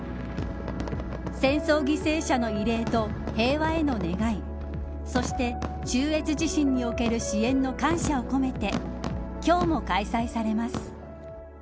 戦争犠牲者の慰霊と平和への願いそして、中越地震における支援の感謝を込めて今日も開催されます。